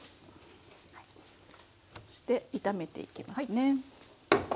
そして炒めていきますね。